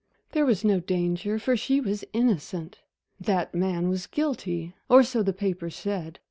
There was no danger, for she was innocent. That man was guilty or so the papers said.